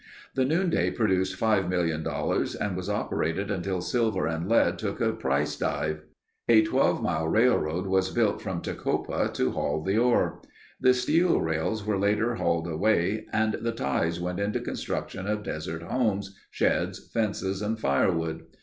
The Noonday produced five million dollars and was operated until silver and lead took a price dive. A 12 mile railroad was built from Tecopa to haul the ore. The steel rails were later hauled away and the ties went into construction of desert homes, sheds, fences, and firewood.